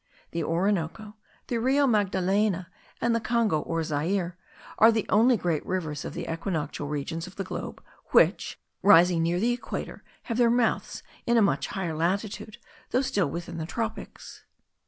The Orinoco, the Rio Magdalena, and the Congo or Zaire are the only great rivers of the equinoctial region of the globe, which, rising near the equator, have their mouths in a much higher latitude, though still within the tropics.